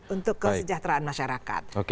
untuk kesejahteraan masyarakat